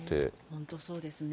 本当、そうですね。